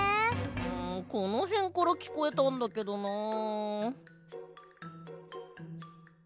んこのへんからきこえたんだけどなあ。